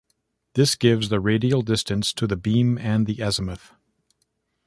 This gives the radial distance to the beam and the azimuth.